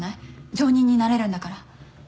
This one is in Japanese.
上忍になれるんだから。